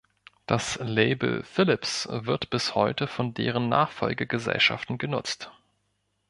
Das Label "Philips" wird bis heute von deren Nachfolgegesellschaften genutzt.